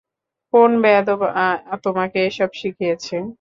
কোন বেয়াদব তোমাকে এসব শিখিয়েছে?